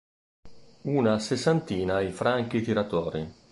Una sessantina i franchi tiratori.